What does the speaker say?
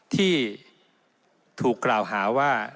ที่ถูกกล่าวหาว่า